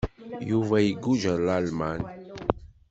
Yuba iguǧǧ ɣer Lalman.